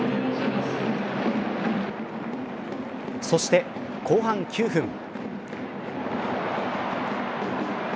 そして後半９分。